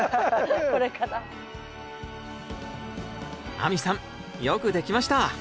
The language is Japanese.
亜美さんよくできました！